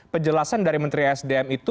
penjelasan dari menteri sdm itu